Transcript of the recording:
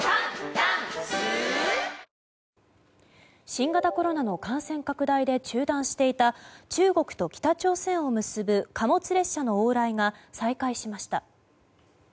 新型コロナの感染拡大で中断していた中国と北朝鮮を結ぶ貨物列車の往来が再開しました。